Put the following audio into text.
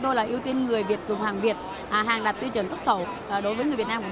tôi là ưu tiên người việt dùng hàng việt hàng đạt tiêu chuẩn xuất khẩu đối với người việt nam của